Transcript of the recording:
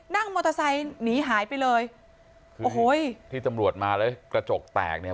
นั่งมอเตอร์ไซค์หนีหายไปเลยโอ้โหที่ตำรวจมาแล้วกระจกแตกเนี่ย